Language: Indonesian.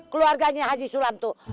keluarganya haji sulam tuh